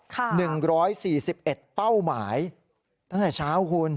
ค่ะ๑๔๑เป้าหมายตั้งแต่เช้าคุณ